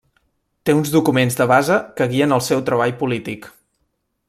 Té uns documents de base que guien el seu treball polític.